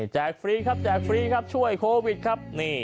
ฟรีครับแจกฟรีครับช่วยโควิดครับ